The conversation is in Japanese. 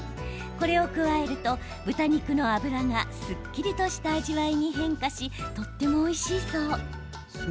これを加えると豚肉の脂がすっきりとした味わいに変化しとても、おいしいそう。